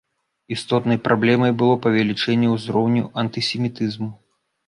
Істотнай праблемай было павелічэнне ўзроўню антысемітызму.